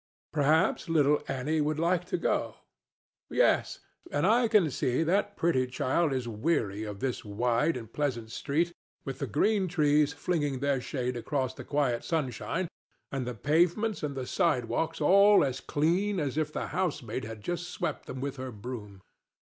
Perhaps little Annie would like to go? Yes, and I can see that the pretty child is weary of this wide and pleasant street with the green trees flinging their shade across the quiet sunshine and the pavements and the sidewalks all as clean as if the housemaid had just swept them with her broom.